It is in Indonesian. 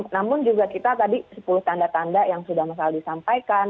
namun juga kita tadi sepuluh tanda tanda yang sudah mas aldi sampaikan